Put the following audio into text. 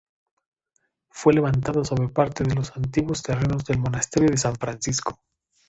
Fue levantado sobre parte de los antiguos terrenos del monasterio de San Francisco.